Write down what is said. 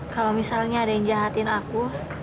kalau misalnya ada yang jahatin aku